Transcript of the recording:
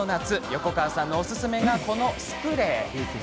横川さんのおすすめがこちらのスプレー。